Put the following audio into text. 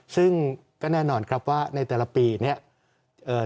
ซึ่งก็แน่นอนครับว่าในแต่ละปีเนี่ย